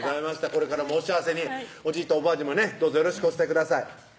これからもお幸せにおじいとおばあにもねどうぞよろしくお伝えください